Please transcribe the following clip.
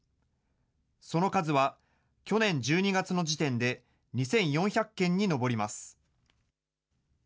その数は去年１２月の時点で２４００件に上ります。